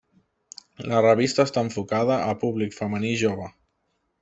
La revista està enfocada a públic femení jove.